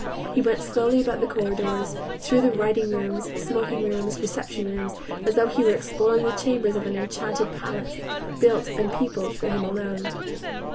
He went slowly about the corridors, through the writing rooms, smoking rooms, reception rooms, as though he were exploring the chambers of an enchanted palace, built and peopled for him alone.